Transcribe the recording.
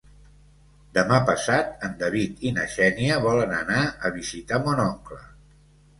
Demà passat en David i na Xènia volen anar a visitar mon oncle.